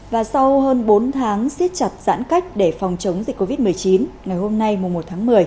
và sau hơn bốn tháng siết chặt giãn cách để phòng chống dịch covid một mươi chín ngày hôm nay mùa một tháng một mươi